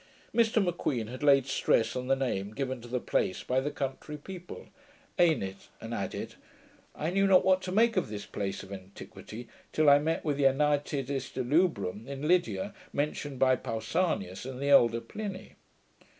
Mr M'Queen had laid stress on the name given to the place by the country people, Ainnit; and added, 'I knew not what to make of this piece of antiquity, till I met with the Anaitidis delubrum in Lydia, mentioned by Pausanias and the elder Pliny.'